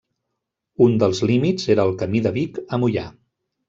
Un dels límits era el camí de Vic a Moià.